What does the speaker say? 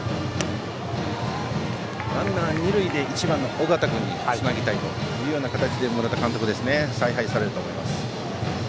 ランナー二塁で１番の緒方君につなぎたいというような村田監督、采配されると思います。